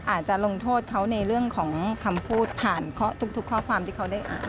อาจจะลงโทษเขาในเรื่องของคำพูดผ่านทุกข้อความที่เขาได้อ่าน